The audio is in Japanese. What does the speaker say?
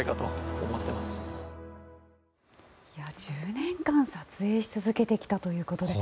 １０年間撮影し続けてきたということで。